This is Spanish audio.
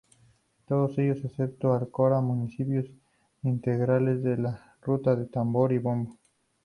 Todos ellos, excepto Alcora, municipios integrantes de la Ruta del Tambor y el Bombo.